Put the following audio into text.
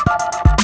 kau mau kemana